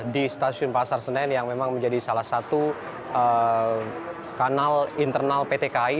di stasiun pasar senen yang memang menjadi salah satu kanal internal pt kai